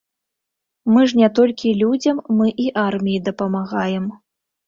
Мы ж не толькі людзям, мы і арміі дапамагаем.